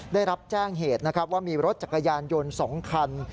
ได้รับแจ้งเหตุนะครับว่ามีรถจักรยานยนต์๒คัน